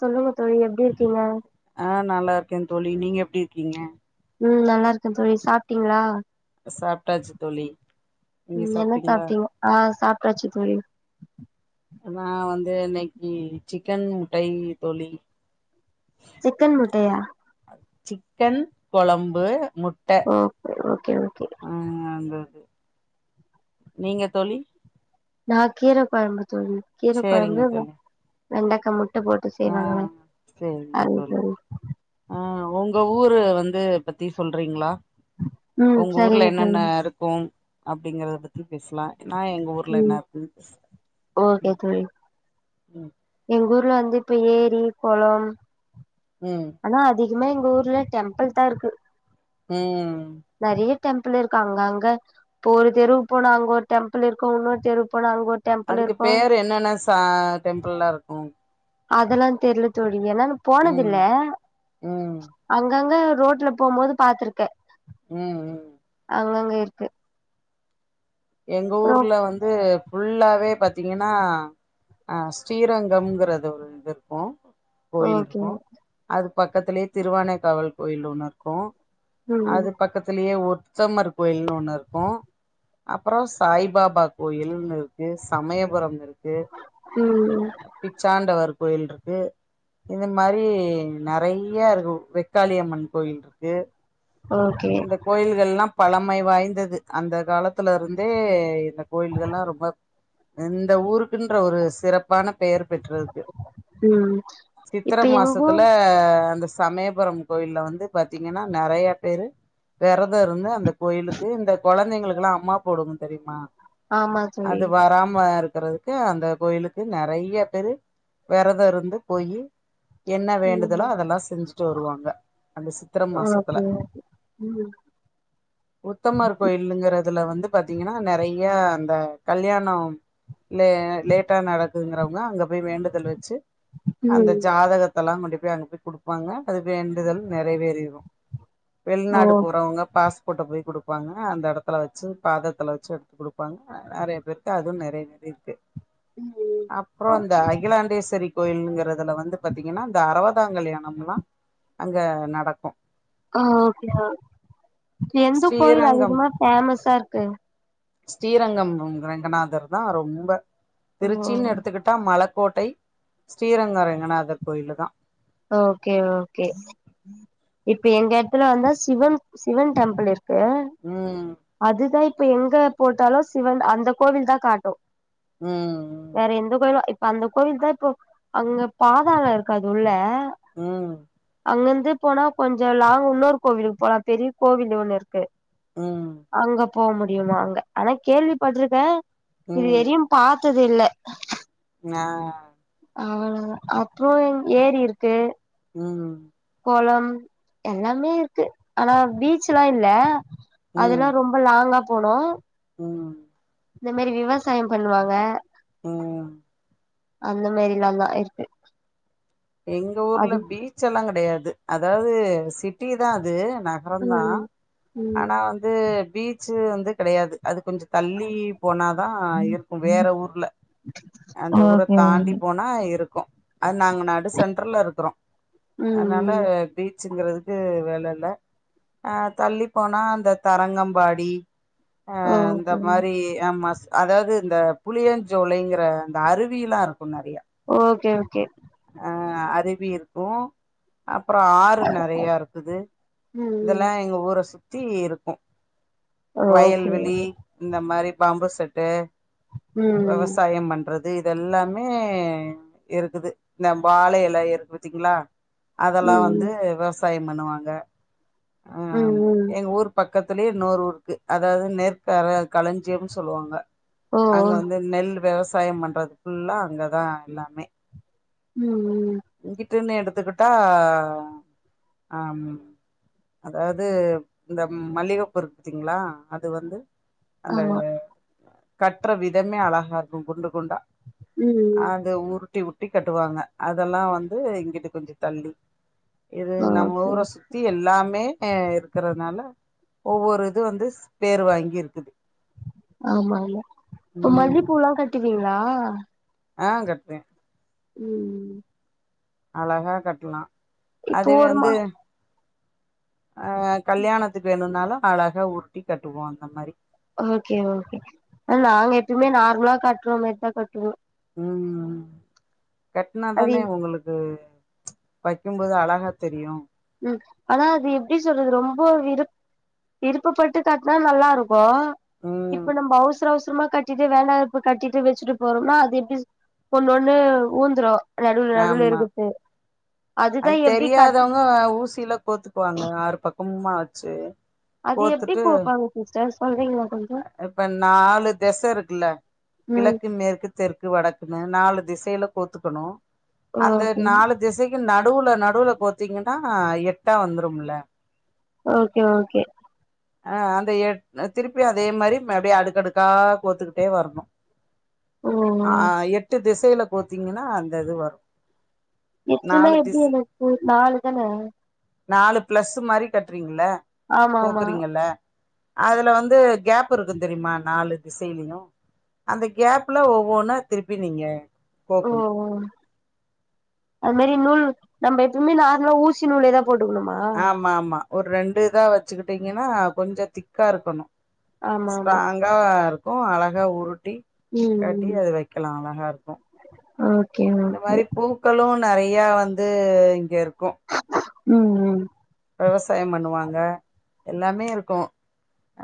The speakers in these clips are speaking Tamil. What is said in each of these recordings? சொல்லுங்க தோழி எப்டி இருக்கீங்க ஆ நல்லார்க்கே தோழி நீங்க எப்டி இருக்கீங்க ம் நல்லார்க்கே தோழி சாப்ட்டீங்ளா சாப்ட்டாச்சு தோழி நீங்க ம் என்ன சாப்ட்டீங்ளா சாப்ட்டீங்க ஆ சாப்ட்டாச்சு தோழி அதா வந்து இன்னக்கி சிக்கன் முட்டை தோழி சிக்கன் முட்டயா சிக்கன் கொழம்பு மு ஓகே ஓகே ஓகே ஆ அந்த இது நீங்க தோழி நா கீர கொழம்பு தோழி கீர சேரிங்க கொழம்பு வெ தோழி வெண்டக்கா முட் ட போட்டு ஆ செய்வாங்கல்ல அது தோழி ஆ உங்க ஊரு வந்து பத்தி சொல்றீங்களா ம் உங்க சரிங்க ஊர்ல தோழி என்னென்ன இருக் கு அப்டிங்கிறத பத்தி பேசலா நா எங் க ஊர்ல ம் என்ன இருக்கு ஓகே ம் தோழி ம் எங்க ஊர்ல வந்து இப்ப ஏரி கொளம் ம் ஆனா அதிகமா எங்க ஊர்ல டெம்பிள்தா இருக்கு ம் நெறையா டெம்பிள் இருக்கு அங்க அங்க இப்போ ஒரு தெருவுக்கு போனா அங்க ஒரு டெம்பிள் இருக்கு இன்னொரு தெருவுக்கு போனா அங்க ஒரு டெம்பிள் அதுக்கு இருக்கு பேர் என்னென்ன ச டெம்பிள்லா இருக்கு அதெல்லா தெர்ல தோழி ஏன்னா நா ம் போனதுல்ல ம் அங்கங்க ரோட்ல போம் போது பாத்துருக்கே ம் ம் அங்கங்க இருக்கு எங்க அப்றோ ஊர்ல வந்து ஃபுல்லாவே பாத்தீங்கன்னா ஆ ஸ்ரீரங்கம்ங்கறது ஒரு இது இருக்கு கோயில் ஓகே இருக்கு அது பக்கத்திலயே திருவானைக்காவல் கோயில் ஒண்ணு இருக்கு ம் ம் அது பக்கத்திலயே உத்தமர் கோயில்ன்னு ஒண்ணு இருக்கு அப்பறோ சாய் பாபா கோயில்னு இருக்கு சமயபுரம் இருக்கு ம் பிச்சாண்டவர் கோயில் இருக்கு இந்த மாரி நெறயா இருக்கு வெக்காளியம்மன் கோயில் இருக்கு ஓகே இந்த கோயில்கள்லா பழமை வாய்ந்தது அந்த காலத்துல இருந்தே இந்த கோயில்கள்ல்லா ரொம்ப இந்த ஊருக்குன்ற ஒரு சிறப் பான பெயர் பெற்றிருக்கு ம் சித்திர இப்ப எங்க மாசத்துல ஊர் அந்த சமயபுரம் கோயில்ல வந்து பாத்தீங்கன்னா நெறயா பேரு வெரதோ இருந்து அந்த கோயிலுக்கு இந்த கொழந்தைங்களுக்குல்லா அம்மா போடும் தெரியுமா ஆமா தோழி அது வராம இருக்றது க்கு அந்த கோயிலுக்கு நெறயா பேரு விரதோ இருந்து போய் என்ன ம் வேண்டுதலோ அதெல்லா செஞ்சிட்டு வருவாங்க அந்த சித்திர ம் மாசத்துல ஓகே ம் உத்தமர் கோயிலுங்கறதுல வந்து பாத்தீங்கன்னா நெறயா அந்த கல்யாணோ லே லேட்டா நடக்குதுங்குறவங்க அங்க போய் வேண்டுதல் வச்சி அந்த ம் ஜாதகத்தல்லா கொண்டு போய் அங்க போய் குடுப்பாங்க அது வேண்டுதல் நெறைவேறிரு ஓ வெளிநாடு போறவங்க பாஸ்போர்ட்ட போய் குடுப்பாங்க அந்த இடத் துல வச்சி பாதத்துல வச்சி எடுத்து குடுப்பாங்க நெறயா பேருக்கு அதுவு நெறவேறிருக்கு ம் ம் அப்பறோ இந்த ஓகே அகிலாண்டேஸ்வரி கோயில்இங்கறதுல வந்து பாத்தீங்கன்னா இந்த அறுவதாம் கல்யாணம் தா அங்க நடக்கு ஓகே எந்த கோயில் ஸ்ரீரங்கம் அதிகமா பேமஸா இருக்கு ஸ்ரீரங்கம் ரங்கநாதர் தா ரொம்ப ஓ திருச்சின்னு எடுத்துக்கிட் மலக்கோட்டை ஸ்ரீரங்க ரங்கநாதர் கோயிலு தா ஓகே ஓகே இப்ப எங்க இடத்துல வந்தா சிவன் சிவன் டெம்பிள் இருக்கு ம் அதுதா இப்ப எங்க போட்டாலு சிவன் அந்த கோவில் தா காட்டு ம் வேற எந்த கோயிலு இப்ப அந்த கோயில தா இப்போ அங்க பாதாளம் இருக்க அது உள்ள ம் அங்கிருந்து போனா கொஞ்ச லாங் இன்னொர் கோவிலுக்கு போலா பெரிய கோவில் ஒண்ணு இருக்கு ம் அங்க போக முடியுமா அங்க ஆனா கேள்விப்பட்டிருக்கே இது எதையும் ம் பா து இல்ல ஆ அ அப்போ ஏரி இருக்கு ம் கோலம் எல்லாமே இருக்கு ஆனா பீச்லா இல்ல ம் அதெல்லா ரொம்ப ரொம்ப லாங்கா போன ம் இந்த மாரி விவசாயம் பண்ணுவாங்க ம் அந்த மாரில்லா இல்லம இருக்கு எங்க ஊர்ல அது பீச்சலா கெடையாது அதாவது சிட்டி தா அது ந மறந்தா ம் ம் ஆனா வந்து பீச்சு வந்து கெடையாது அது கொஞ்ச தள்ளி போனாதா இருக்கு வேற ஊர்ல அந்த ஊர ஓகே தாண்டி ஓகே போன இருக்கு அது நாங்க நாடு சென்ட்ரல்ல இருக்கிறோ ம் அதனால ம் இப்போ பீச்சுங்கிறதுக்கு வேல இல்ல ஆ தள்ளி போனா அந்த தரங்கம்பாடி இந்த ஓகே மாரி ஆம் மஸ் அதாவது இந்த புளியஞ்சோலைங்கிற அந்த அருவியல்லா இருக்கு நெறையா ஓகே ஓகே அ அருவி இருக்கு அப்பற ஆறு நெறைய இருக்குது ம் ம் இதெல்லா எங்க ஊர சுத்தி இருக்கு ஓகே வயல்வெளி இந்த மாரி பாம்பு செட்டு ம் விவசாயம் பண்றது அது இதெல்லாமே இருக்குது இந்த வாழையில இருக்கு பத்தீங்களா அதெல்லா வந்து ம் விவசாய பண்ணுவாங்க ஆ ம் ம் எங்க ஊரு பக்கத்துலயே இன்னோரு ஊரு இருக்கு அதாவது நெற் களஞ்சியம்ன்னு சொல்லுவாங்க ஓ அங்க வந்து நெல் விவசாயம் பண்றது ஃபுல்லா அங்கதா எல்லாமே ம் ம் உங்கிட்டன்னு எடுத்துக்கிட்டா ஆம் அதாவது இந்த மல்லிகை பூ இருக்கு பாத்திங்களா அது வந்து அந்த ஆமா கட்டுற விதமே அழகா இருக்கு குண்டு குண்டா ம் அத உருட்டி ‌உருட்டி கட்டுவாங்க அதெல்லா வந்து கொஞ்ச தள்ளி இது ஆ நம்ம ஓகே ஊர சுத்தி எல்லாமே இருக் இருக்கறிதுனால ஒவ்வொரு இது வந்து பேர் வாங்கி இருக்குது ஆமாங்க இப்ப ம் மல்லிப்பூல்லாம் கட்டுவீங்களா ஆ கட்டுவேன் ம் அழகா கட்டலாம் இப்போ அதுவே ஒருமா வந்து கல்யாணத்துக்கு வேணும்னாலும் அழக உருட்டி கட்டுவோம் அந்த மாறி ஓகே ஓகே நாங்க எப்பயுமே நார்மலா கட்டுறோம் மேறிதான் கட்டுவோம் ம் கட்டினா அது தானே உங்களுக்கு வைக்கும்போது அழகா தெரியும் ம் ஆனா அது எப்படி சொல்றது ரொம்ப விரு விருப்பப்பட்டு கட்னா நல்லா இருக்கும் இப்போ ம் இப்ப நம்ப அவசர அவசரமா கட் இது வேணா இப்ப கட்டிட்டு வெச்சுட்டு போறோம்னா அது எப்படி ஒண்ணு ஒண்ணு ஊந்துரும் நடுவுல நடுவுல ஆமா இருக்குறது அது அதுதான் எப்படி கட் தெரியாதவங்க ஊசியில கோத்துக்குவாங்க ஆறு பக்கமுமாச்சு அது எப்படி கோப்பாங்க சிஸ்டர் சொல்றீங்களா கொஞ்சம் இப்ப நாலு தெச இருக்குல்ல ம் கிழக்கு மேற்கு தெற்கு வடக்குன்னு நாலு திசையில கோத்துக்கணும் அந்த ஓகே நாலு திசைக் நடுவுல நடுவுல கோத்தீங்கன்னா எட்டா வந்துரும்ல ஓகே ஓகே ஆ அந்த எட திருப்பி அதே மாறி அப்படியே அடுக்கடுக்கா கோத்துக்கிட்டே வரணும் ஓ அ எட்டு திசையில கோத்தீங்கன்னா அந்த இது வரும் எட்துமே எப்படி எனக்கு நாலு தானே நாலு பிளஸ் மாதிரி கட்டுறீங்கல்ல ஆமா ஆமா கோக்குறீங்கல்ல அதுல வந்து கேப் இருக்கும் தெரியுமா நாலு திசையிலயும் அந்த கேப்ல ஒவ்வொன்னு திருப்பி நீங்க ஓ கோக்கணு ஓ அது மாதி நூல் நம்ப எப்பவுமே நார்மலா ஊசி நூல் ஏதா போட்டுக்கணுமா ஆமா ஆமா ஒரு ரெண்டு இதா வச்சுக்கிட்டீங்கன்னா கொஞ்சம் திக்கா இருக்கனும் ஆமா ஆமா ஸ்ட்ராங்கா இருக்கும் அழகா உருட்டி ம் கட்டி ம் அத வைக்கலாம் அழகா இருக்கும் ஓகே இந்த ஓகே மாறி பூ ளும் நிறையா வந்து இங்க இருக்கும் ம் ம் விவசாயம் பண்ணுவாங்க எல்லாமே இருக்கும்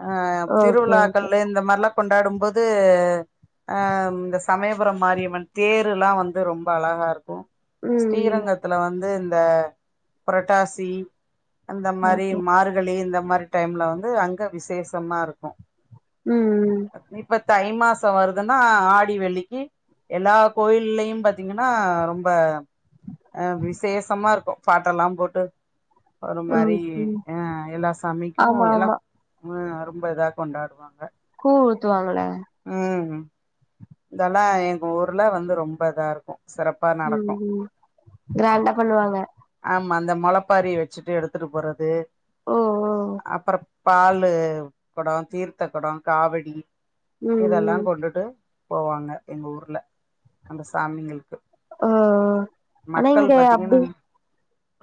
ஆ ஓகே ஓகே திருவிழாக்கள்ந்து இந்த மாறில்லாம் கொண்டாடும்போது அ இந்த சமயபுரம் மாரியம்மன் தேரு எல்லாம் வந்து ரொம்ப அழகா இருக்கும் ம் ம் ஸ்ரீரங்கத்துல வந்து இந்த புரட்டாசி அந்த மாறி ஓகே மார்கழி இந்த மாறி டைம்ல வந்து அங்க விசேஷமா இருக்கும். ம் ம் இப்பத்த தை மாசம் வருதுன்னா ஆடி வெள்ளிக்கு எல்லா கோயில்லயும் பாத்தீங்கன்னா ரொம்ப அ விசேஷமா இருக்கும் பாட்டெல்லாம் போட்டு ஒரு ம் மாறி ம் ஆ எல்லா சாமிக்கும் ஆமா ஆமா எல்லாம் ம் ரொம்ப இதா கொண்டாடுவாங்க கூல் ஊத்துவாங்கள ஆ இதெல்லா எங்க ஊர்ல வந்து ரொம்ப இதா இருக்கு சிறப் ம் ம் கிராண்டா பண்ணுவாங்க ஆமா அந்த மொளப்பாரி வச்சிட்டு எடுத்துட்டு போறது ஓ ஓ அப்புற பால் குடோ தீர்த்த குடோ காவடி ம் ம் இதெல்லா கொண்டுட்டு போவாங்க எங்க ஊர்ல அந்த சாமிங்களுக்கு ஆ ஆனா மக்கள் இங்க பாத்தீங்கன்னா அப்டி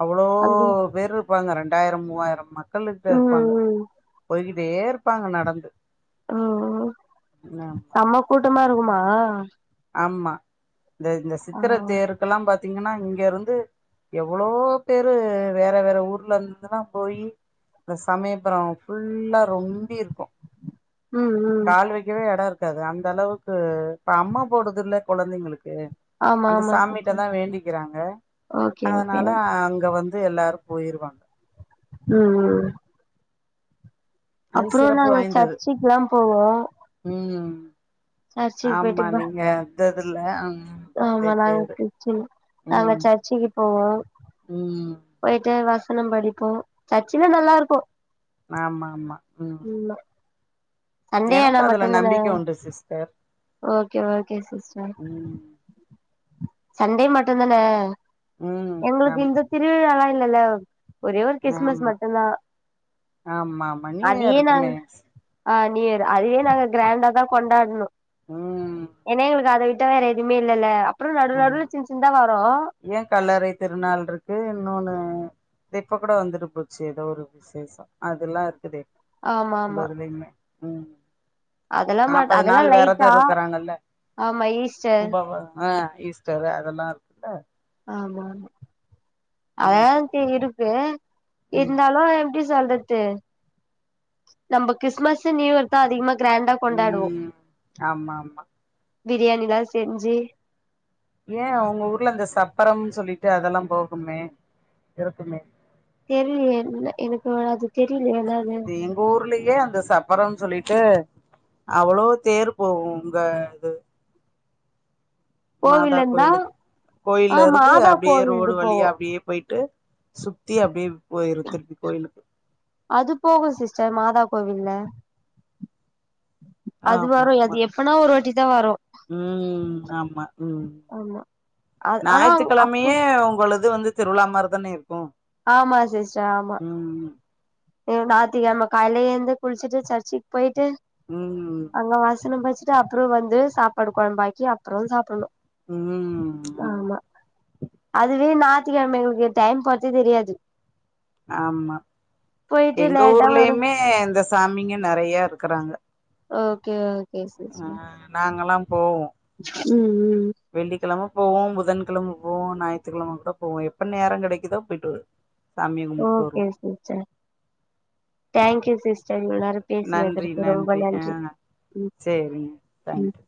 அவ்ளோ அது பேரு ப்பாங்க ரெண்டாயிரோ மூவாயிரோ மக்கள்ட்ட ம் ம் இருப்பாங்க ம் போய்கிட்டே இரு ப்பாங்க நடந்து ம் இன்ன செம்ம கூட்டமா இருக்குமா ஆமா இந்த இந்த ஆ சித்திரத்தேருக்கெல்லா பாத் த்தீங்கன்னா இங்க இருந்து எவ்ளோ பேரு வேற வேற ஊர்ல இருந்துலா போயி இந்த சமயபுரோ ஃபுல்லா ரொம்பி இருக்கு ம் ம் கால் வைக்கவே எடோ இருக்காது அந்த அளவுக்கு அம்மா போடுது இல்ல கொழந்தைங்களுக் க்கு ஆமா அந்த ஆமா சிஸ்டர் சாமிட்டதா வேண்டிக்கிறாங்க ஓகே ஓகே அதனால ம் அங்க வந்து எல்லாரு போயிருவாங் ம் ம் அது அப்புறோ சிறப்பு நாங்க வாய்ந்தது சர்ச்சுக்கெல்லா போவோ ம் சர்ச்சுக்கு போயிட்டு ஆமா ப நீங்க அத்ததுல்ல ம் பாத்தே ஆமா நாங்க பேரு கிறிஸ்டின் நாங்க ம் சர்ச்சுக்கு போவோ ம் போயிட்டு வசனம் படிப்போ சர்ச்சுலா நல்லா இருக்கு ஆமா ஆமா ம் சண்டே ஆனா மட்டுதான இப்ப சிஸ்டர் ஓகே ஓகே சிஸ்டர் ம் சண்டே மட்டுதான ம் எங்களுக்கு ஆமா இந்த திருவிழாலா இல்லல்ல ஒரே ஒரு கிறிஸ்மஸ் ஆமா மட்டுதா ஆமா ஆமா நியூ இயர் அதயு நாங்க இருக்குமே ஆ நியூயர் அதுவே நாங்க கிராண்டாதா கொண்டாடணு ம் ஏன்னா எங்களுக்கு அத விட் ட்டா வேற எதுவுமே இல்லல்ல அப்புறோ நடு நடுல ஆமா சின்ன சின்னந்தா வரு ஏ கல்லறை திருநாள் இருக்கு இன்னொன்னு இப்ப கூட வந்துட்டு போச்சி எதோ ஒரு விசேஷம் அதுல்லா இருக்குது ஆமா ஆமா வதுலியுமே ம் அதெல்லா மாட் நாப்பது அதெல்லா நாள் லைட்டா வெரதம் இருக்கிறாங்கல்ல ஆமா ஈஸ்டர் [unintelligible] ஆ ஈஸ்டர் அதெல்லா இருக் ஆமா ஆமா ம் அதாச்சி இருக்கு ம் இருந்தாலு எப்டி சொல்லது நம்ம கிறிஸ்மஸ் நியூ இயர் த்தா தா அதிகமா கிராண்டா கொண்டாடுவோ ம் ஆமா ஆமா பிரியாணிலா செஞ்சி ஏ அவுங்க ஊர்ல அந்த சப்பரம்னு சொல்லிட்டு அதெல்லா போகுமே இருக்குமே தெரிலயே என் எனக்கு அவல அது தெரியலயே என்னனு இது எங்க ஊர்லியே அந்த சப்பரம்ன் சொல்லிட்டு அவ்ளோ தேர் போகு உங்க இது மாதா கோவில் இருந்தா கோயிலு ஆ கோயில்ல இருந்து மாதா அப்டியே கோவில் ரோடு இது போவோ வழியா அப்டியே போயிட்டு சுத்தி அப்டியே போயிரு திருப்பி கோயிலுக்கு அது போகு சிஸ்டர் மாதா கோவில்ல அது ஆமா வரு அது ஆமா எப்பனா ஒரு வாட்டி தா வரு ம் ஆமா ம் ஆமா அது ஆனா அப்ப ஞாயிறுக்கெழமையே உங்களது வந்து திருவிழா மாரி தானே இருக்கு ஆமா சிஸ்டர் ஆமா ம் ஞாயிற்றுக்கெழம காலிலே ஏந்து குளிச்சுட்டு சர்ச்சிக்கு போயிட்டு ம் அங்க வாசனம் படிச்சுட்டு அப்றோ வந்து சாப்பாடு கெழம்பாக்கி அப்புறோ சாப்பிட்ணு ம் ஆமா அதுவே ஞாயித்துக்கெழம எங்களுக்கு டைம் போறதே தெரியாது ஆமா போயிட்டு எங்க லேட்டா வரும் ஊர்லயுமே இந்த சாமிங்க நெறைய இருக்கிறாங்க ஓகே ஓகே சிஸ்டர் நாங்கல்லா போவோ ம் ம் வெள்ளிக்கிழம போவோ புதன்கிழம போவோ ஞாயித்துக்கெழம கூட போவோ எப்ப நேர கெடைக்குதோ போயிட்டு வரு ஓகே சிஸ்டர் தேங்கியூ சிஸ் டர் இவ்ளோநேரோ நன்றி பேசுனதுர்கு ரொம்ப ஆ நன்றி சேரிங்க தேங்க்யூ ம்